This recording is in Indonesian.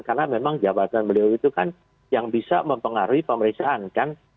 karena memang jabatan beliau itu kan yang bisa mempengaruhi pemeriksaan kan